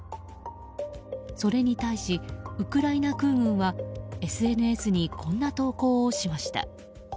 それに対し、ウクライナ空軍はＳＮＳにこんな投稿をしました。